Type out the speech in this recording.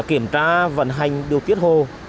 kiểm tra vận hành điều tiết hồ